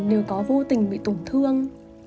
nếu có vô tình bị tổn thương